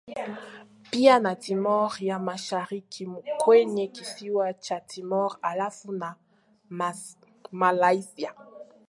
pia na Timor ya Mashariki kwenye kisiwa cha Timor halafu na Malaysia